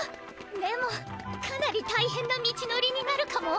でもかなりたいへんな道のりになるかも。